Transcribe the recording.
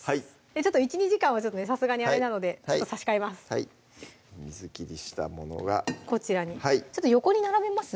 ちょっと１２時間はさすがにあれなので差し替えます水切りしたものがこちらにちょっと横に並べます？